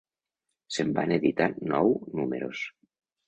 Se'n van editar nou números.